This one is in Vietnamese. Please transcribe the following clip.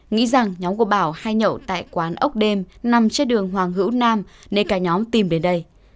nghĩ rằng nhóm của bảo hay nhậu tại quán ốc đêm nằm trên đường hoàng hữu nam nên cả nhóm tìm đến đây